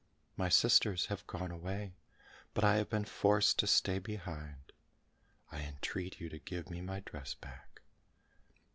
My sisters have gone away, but I have been forced to stay behind. I entreat you to give me my dress back."